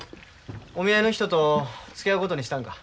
お見合いの人とつきあうことにしたんか。